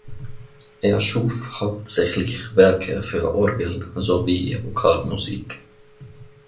Er schuf hauptsächlich Werke für Orgel sowie Vokalmusik.